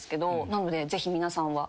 なのでぜひ皆さんは。